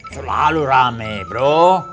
selalu rame bro